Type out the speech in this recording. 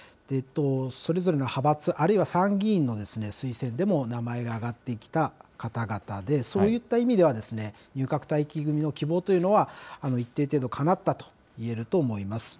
それぞれの派閥、あるいは参議院の推薦でも名前が挙がってきた方々で、そういった意味では、入閣待機組の希望というのは、一定程度かなったといえると思います。